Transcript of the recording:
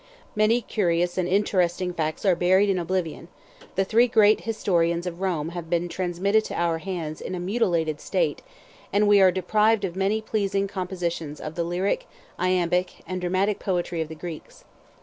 Many curious and interesting facts are buried in oblivion: the three great historians of Rome have been transmitted to our hands in a mutilated state, and we are deprived of many pleasing compositions of the lyric, iambic, and dramatic poetry of the Greeks.